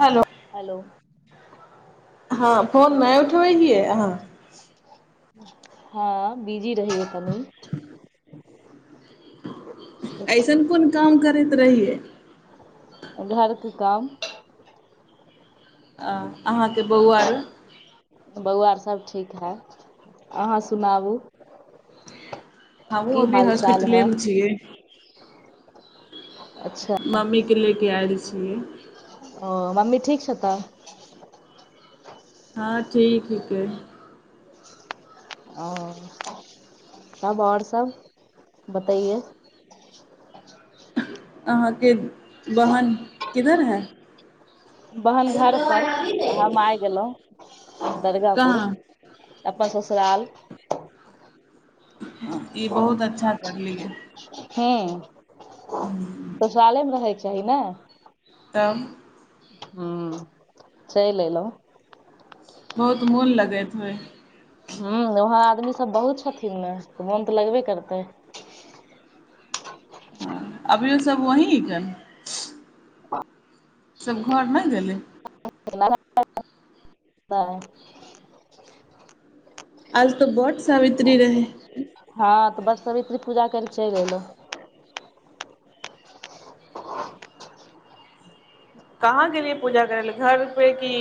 हलो। Hello. हं phone नय उठब हिय अहां। हं बीजी रहिय कनि। [inaudible] अयसन कौन काम करैत रहियै। घरके काम। अहांके बौआ आर। बौआ आर सब ठीक है अहां सुनाबू। हमहु की अभी हाल चाल है हॉस्पिटले में छिय। अच्छा मम्मीके ले के आयल छी। ओ मम्मी ठीक छ त। हं ठीक हिके। ओ तब और सब बतेये। अहांके बहन किधर है। बहन घर पर हम आइ गेलौं दर्गापुर। कहाँ अपन ससुराल। ई बहुत अच्छा करलियै। हुं। [inaudible] ससुरालेमे रहे के चाही ने। तब। हुं चैल ऐलहु। बहुत मोन लगैत होय। हुं उहाँ आदमी सब बहुत छथिन न, त मोन त लगबे करतै। अभियो सब वही हिके। सभ घर नै गेलै। नय। आज तो बटसावित्री रहै। हँ तऽ बटसवित्री पूजा कर के चलि एलहुं। कहाँ गेलियै पूजा करै ले, घर पे की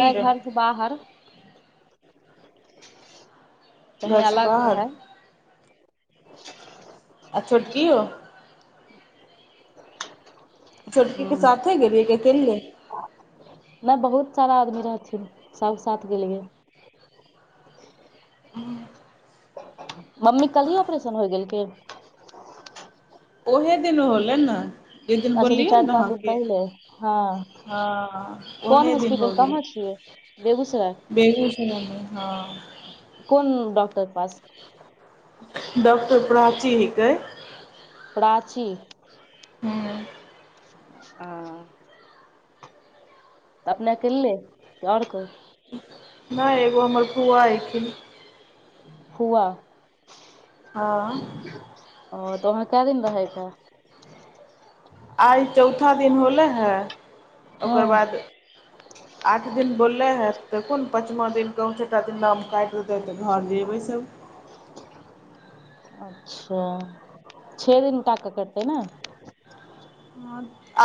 नै घर से बाहर। घर कहीं से अलग बाहर रहै। आ छोटकीयो? ह छोटकीके साथे गेलियै कि अकेलिए। नै बहुत सारा आदमी रहथिन, सबके साथ गेलियै। ह [inaudible] मम्मी कल्हे ऑपरेशन होइ गेल कि। ओहे दिन होले ने। जे दिन अच्छा दू बोललियै चारि ने पाँच दिन अहाँके, पहिले हँ हँ कोन ओहे दिन हॉस्पिटल हो गेलै। कहाँ छियै बेगूसराय बेगूसराय में हँ। कोन डॉक्टर के पास। डॉक्टर प्राची के। प्राची। हूँ। ह त अपने अकेले, कि ओर कोइ। नै एगो हमर फूआ अयलखिन। फुआ। हँ। ओ तऽ ओतऽ केय दिन रहे के है। आइ चौथा दिन होले ह, हँ ओकर बाद आठ दिन बोललै हइ, तऽ कोन पाँचमा दिन कहूँ छठा दिन नाम काटि देतै तऽ घर जेबै सब। अच्छा! छे दिन तक टांका कटतै ने।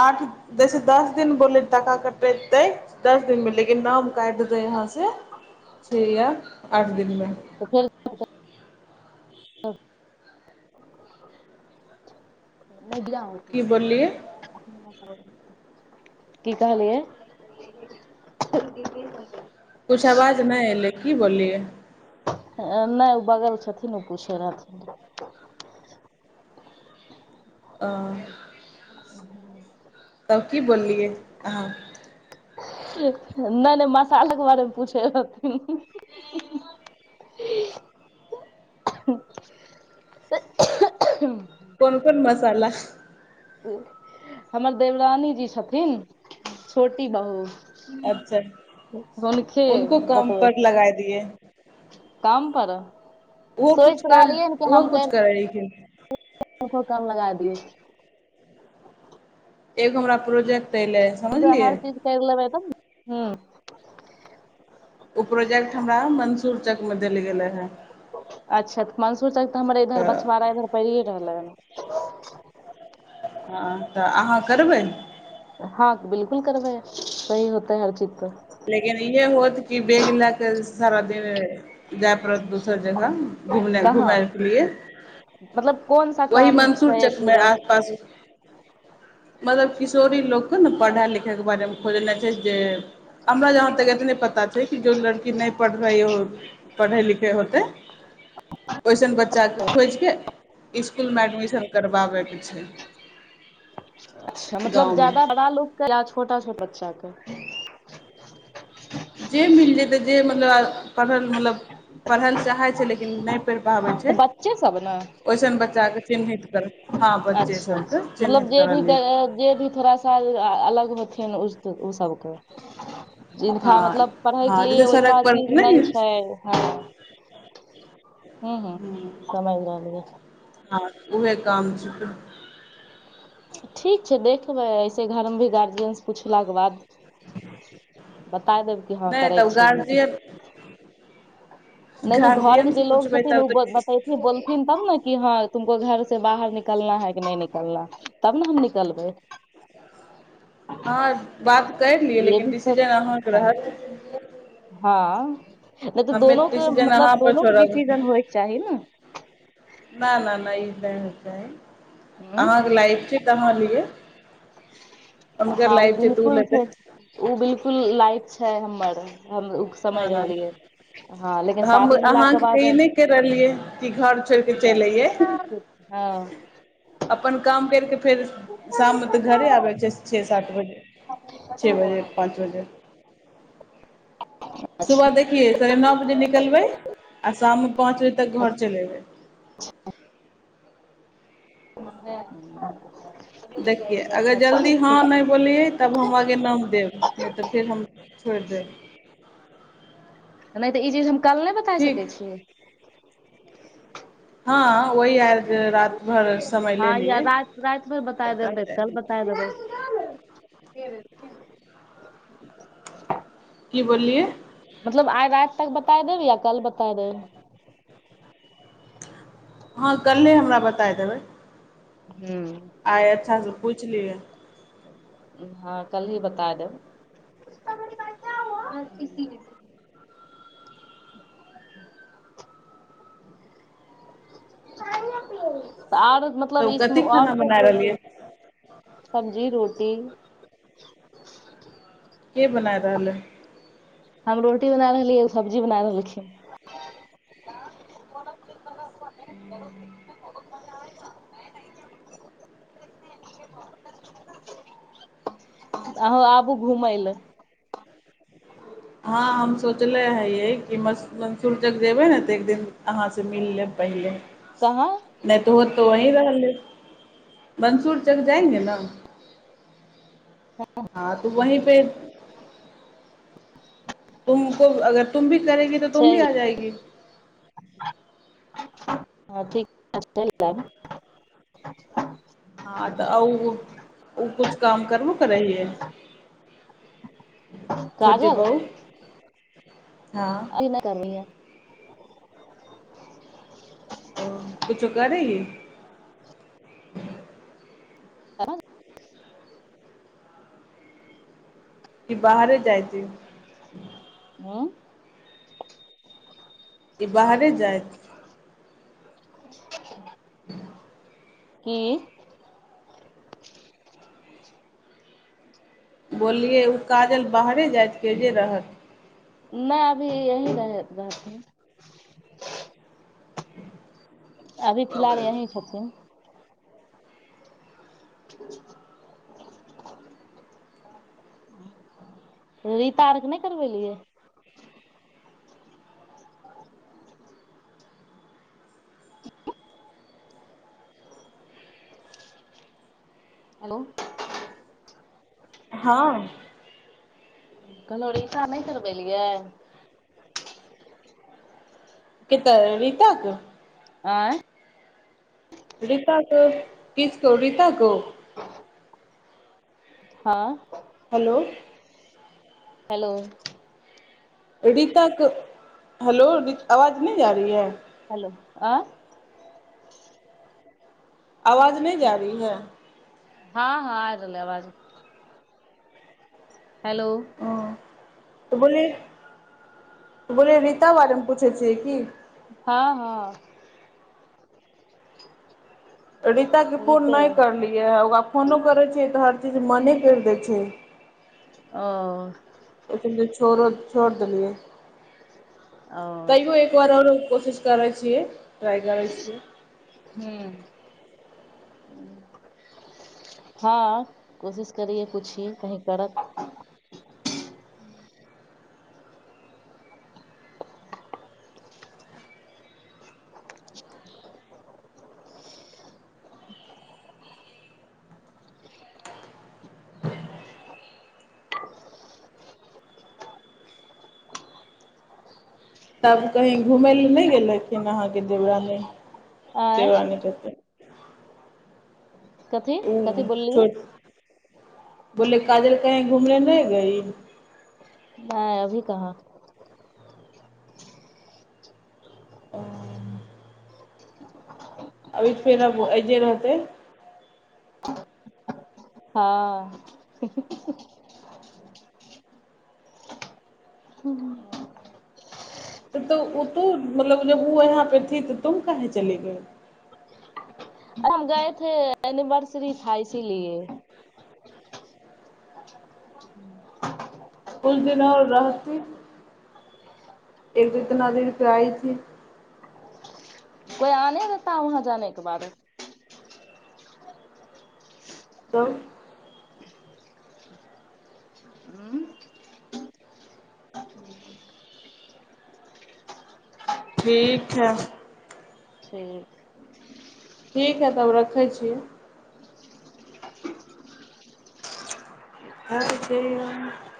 आठ जैसे दस दिन बोललै टाका कटेतै। दस दिन में, लेकिन नाम काटि देतै एतऽ से छ या आठ दिन में। [inaudible] मिडियम। की बोललियै? की कहलियै? कुछ आवाज नहि एलै, की बोललियै। नहि ओ बगल के छथिन, ओ पूछै रहथिन। अ। तब की बोललियै अहाँ। नै- नै मशाला के बारे मे पूछने रहथिन। कोन- कोन मसाला। हमर देवरानी जी छथिन, छोटी बहू। अच्छा हुनके बतबैत लगाए दियए। कम करऽ। ओहो कुछ कर ओहो कुछ करै छलखिन। सबके काम लगा दियौ। एगो हमरा प्रोजेक्ट अइले ऐछ। हर चीज कैर लेबै तहन हूं। ओ प्रोजेक्ट हमरा मन्सूर चक मे देल गेल रहेए। अच्छा तऽ मंसुर चक तऽ हमर इधर बछवड़ा इधर पड़िए रहल हन। हँ तऽ अहाँ करबै? हाॅं बिलकुल करबै सही होतै हर चीज त। लेकिन इहे होत कि बेग लए क सारा दिन जेए पड़त दोसर जगह। घुमने कहाँ घुमय के लिए मतलब कोन सा वही काम मंसूर छै चक मे पूरा आस पास मतलब किशोरी लोक के न पढ़ाइ लिखाइ के बारे मे खोजनाइ छै जे हमरा जहाँ तक एतने पता छै कि जो लड़की नहि पढ़ रही हो, पढ़ै लिखै होतै। ओइसन बच्चा के खोजि के स्कूल मे एडमिशन करबाबै के अच्छा मतलब गाँवमे जादा बड़ा लोक के या छोटा छोट बच्चा क। जे मिल जेतै जे मतलब पढ़ल मतलब पढ़ ले चाहै छै लेकिन नहि पढ़ि पाबै तऽ छै बच्चे सब ने ओइसन बच्चा के चिन्हित कर हँ अच्छा बच्चे सबके अच्छा मतलब चिन्हित जे भी करल जेतै जेएत जे भी थोड़ास अल - अलग होथिन उ - उ सबके। हँ जिनका मतलब पढ़ैके हँ जैसे लिए वैसा सड़क पर चीज नै नहि छै, ह हूं हुं समझि रहलियै। हँ उहेए काम छै। ठीक छै देखबै, ऐसे घरमे भी गार्जियन से पुछलाक बाद बता देब कि हँ नहि करै तब छै कि नै गार्जियन नै त घर के गार्जियन से जे लोग पुछबै छथिन तब उ बत - तऽ बते थिन - बोलथिन तब ने कि हँ तुमको घर से बाहर निकलना है कि नै निकलना तब ने हम निकलबै। हँ बात कैर ली ये लेकिन भी तऽ डिसीजन अहाँके हँ रहत। हँ अ नै त हमे दोनो के डिसीजन अहाँ मतलब पर दोनो क छोड़ब डिसीजन होइ क चाही ने। न न न ई नै होइक चाही ह अहाँके लाइफ छी त अहाँ लियइ। हँ ओ बिलकुल छै ओ बिलकुल लाइफ छय हम्मर। हम उ क समैझ हँ रहलियै हँ तऽ लेकिन शादी होला के बाद की घर छोड़ि के जाउ। चलि अइयै। हँ। अपन काम करिके फेर शाम मे त घरे आबै के छै। छे, सात बजे छे बजे, पाँच बजे सुबह अच्छा देखिये साढ़े नौ बजे निकलबै आ शाम मे पाँच बजे तक घर चलि एबै। [inaudible] म [inaudible] देखियै अगर जल्दी हँ नै बोललियै तब हम आगे नाम देब नै त फेर हम छोरि देब। नै त ई चीज हम कल नै बताय ठीक सकै छी। हँ वही आज राति भर समय ले हँ या लियै रात - राति मे बताइ देब नै त कल बताय देबै। ह [inaudible] की बोललियै? मतलब आइ राति तक बताय देब या कल बताय देब। हँ कल्हे हमरा बताए देबै। हू। आइ अच्छासे पुछि लिअ। हँ कल ही बताए देब। तऽ आरो मतलब तब इसमें कथी आरो खाना को बनाय प्रोसेस। रहलियै सब्जी रोटी। के बनाय रहल ऐ। हम रोटी बना रहलियै, ओ सब्जी बना रहलखिन। अहूं आबू घुमय लए। हँ हम सोचले हयै, कि मसू- मंसूर तक जेबै ने त एक दिन अहाँ सं मिल लेबे। पहिले। कहाँ। नै हो त वहीं रह लेब, मंसूर तक जाएंगे न हँ त वहीं पे तुम को अगर तुम भी करेगी त तुम भी चलि आ जाएगी। [unintelligible] हँ त उ- उ कुछ काम करबो करै हियै? छोटी काजल बहु हँ। [unintelligible] ओ कुछो करै ही। अवाज। [unintelligible] कि बाहरे जाइ छै। ह। ई बाहरे जाय। की। बोललियै ओ काजल बाहरे जाइ तेजे रहत। ना अभी यही रहथिन। अभी फिलहाल यहीं छथिन। रीता आरके नहि करबेलियै। हेलो। हँ कहलहु रिकशा नहि करबेलियै। केकर रीता के। आँय। रीता कऽ किसको रीता को। हँ। हेलो। हेलो। रीता कऽ हेलो आवाज नहि आ रही है। हेलो अँ। आवाज नहि जा रही है। हँ- हँ आ रहलै अवाज। हेलो। ओ तऽ बोललि तऽ बोलली रीता बारेमे पुछै छियै की। हँ-हँ रीताके फोन रिपेयर नहि करलियै ओकरा फोनो करैत छियै तऽ हर चीज मने करि दै छै। ओ [unintelligible] [unintelligible] छोड़ऽ छोड़ि देलियै ओ तैयो एक। एकबार ओरो कोशिश करै छियै ट्राइ करै छियै। हूँ [unintelligible] [inaudible] [unintelligible] हँ कोशिश करियए पूछिए कहीं करत। तब कहीं घुमय लए नहि गेलखिन अहाँके देवरानी आँय देवरानी कतेक। कथी-कथी ओ बोललियै। छोट [unintelligible] नहि अभी कहाँ। ओ [unintelligible] अभी फेर आब ऐजे रहतै। हँ‌ हू-हू-हू-हू हू तऽ ओ तो मतलब जब ओ यहाँ पे थी तो तुम कहे चली गइ। [unintelligible] [unintelligible] [inaudible] [unintelligible] [unintelligible] [unintelligible] तब हूँ [inaudible] ठीक छय। ठीक ठीक है तब रखै छी। [unintelligible]